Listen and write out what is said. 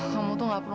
kamu tuh gak perlu